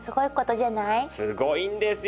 すごいんですよ